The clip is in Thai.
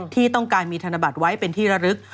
ที่ต้องการมีธนบัตรไว้เป็นที่ระลึก